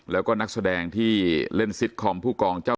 แล้วก็นักแสดงที่เล่นซิตคอมผู้กองเจ้า